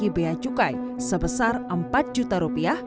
dia mencari hadiah cukai sebesar empat juta rupiah